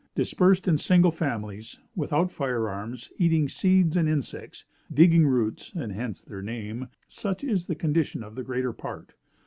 Dispersed in single families; without fire arms; eating seeds and insects; digging roots (and hence their name); such is the condition of the greater part.